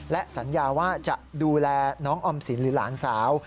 และสัญญาว่าจะดูแลน้องออมสินหรือหลานสาว